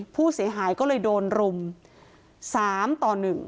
ผู้เสียหายก็เลยโดนรุม๓ต่อ๑